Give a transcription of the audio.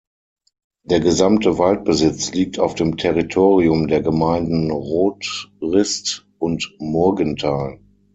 Der gesamte Waldbesitz liegt auf dem Territorium der Gemeinden Rothrist und Murgenthal.